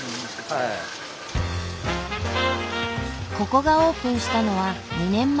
ここがオープンしたのは２年前。